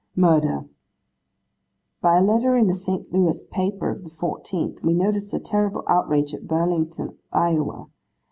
'Murder. By a letter in a St. Louis paper of the '4th, we notice a terrible outrage at Burlington, Iowa.